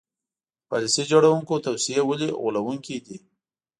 د پالیسي جوړوونکو توصیې ولې غولوونکې دي.